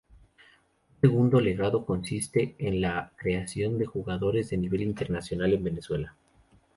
Un segundo legado consiste en la creación de jugadores de nivel internacional en Venezuela.